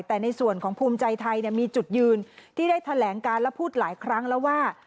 แต่ในส่วนของภูมิใจไทยมีจุดยืนที่ได้แถลงการและพูดหลายครั้งแล้วว่า